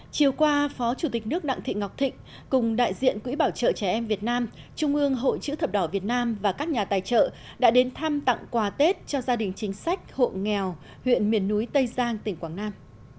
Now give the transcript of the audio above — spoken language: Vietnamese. chiều qua phó chủ tịch nước đặng thị ngọc thịnh cùng đại diện quỹ bảo trợ trẻ em việt nam trung ương hội chữ thập đỏ việt nam và các nhà tài trợ đã đến thăm tặng quà tết cho gia đình chính sách hộ nghèo huyện miền núi tây giang tỉnh quảng nam